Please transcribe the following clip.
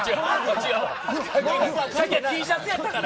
さっきＴシャツやったから。